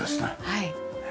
はい。